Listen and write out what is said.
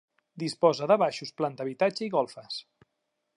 Disposa de baixos, planta habitatge i golfes.